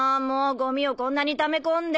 ゴミをこんなにため込んで。